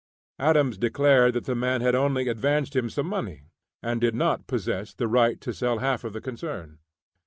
Adams declared that the man had only advanced him some money, and did not possess the right to sell half of the concern.